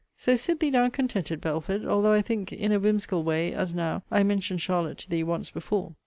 So sit thee down contented, Belford: although I think, in a whimsical way, as now, I mentioned Charlotte to thee once before.